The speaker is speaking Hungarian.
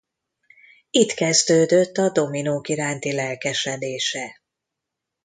Itt kezdődött a dominók iránti lelkesedése.